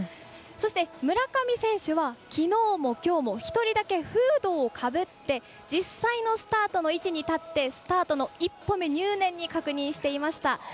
そして、村上選手はきのうもきょうも１人だけフードをかぶって実際のスタートの位置に立ってスタートの１歩目、入念に確認していました。